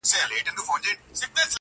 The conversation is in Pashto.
ستا خالونه مي ياديږي ورځ تېرېږي,